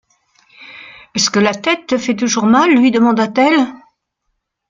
Est-ce que la tête te fait toujours mal? lui demanda-t-elle.